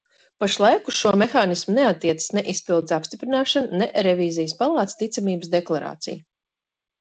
Pašlaik uz šo mehānismu neattiecas ne izpildes apstiprināšana, ne Revīzijas palātas ticamības deklarācija.